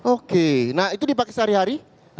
oke nah itu dipakai sehari hari